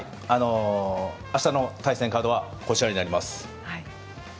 明日の対戦カードはこちらになります。